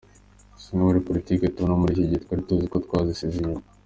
Zimwe muri politiki tubona muri iki gihe twari tuzi ko twazisize inyuma.